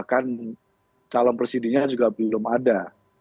kan calon presidennya juga belum ada